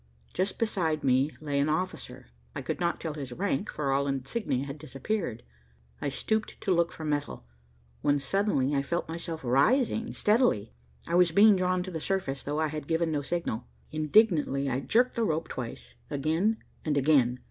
Just beside me lay an officer. I could not tell his rank, for all insignia had disappeared. I stooped to look for metal, when suddenly I felt myself rising steadily. I was being drawn to the surface, though I had given no signal. Indignantly I jerked the rope twice again and again.